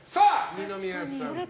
二宮さん